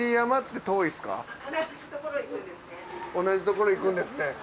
同じところ行くんですね。